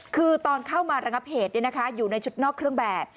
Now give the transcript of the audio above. คือตอนเข้ามาระงับเหตุอยู่ในชุดนอกเครื่องแบบ